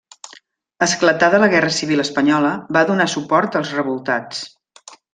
Esclatada la Guerra Civil espanyola, va donar suport als revoltats.